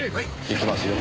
行きますよ。